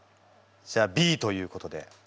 じゃあＢということで。